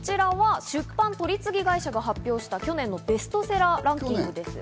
出版取次会社が発表した去年のベストセラーランキングです。